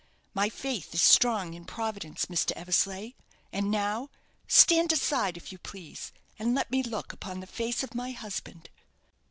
My faith is strong in Providence, Mr. Eversleigh. And now stand aside, if you please, and let me look upon the face of my husband."